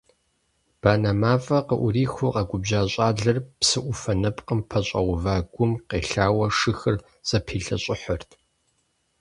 Банэ мафӀэр къыӀурихыу къэгубжьа щӀалэр псыӀуфэ нэпкъым пэщӀэува гум къелъауэ, шыхэр зэпилъэщӀыхьырт.